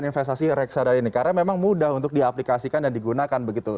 dan investasi reksadana ini karena memang mudah untuk diaplikasikan dan digunakan begitu